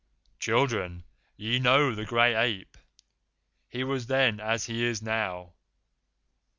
"Children, ye know the Gray Ape. He was then as he is now.